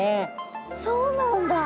そうなんだ！